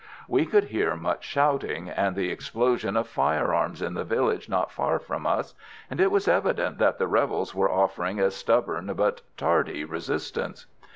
We could hear much shouting, and the explosion of firearms in the village not far from us, and it was evident that the rebels were offering a stubborn but tardy resistance.